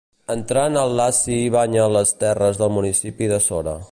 Entrant al Laci banya les terres del municipi de Sora.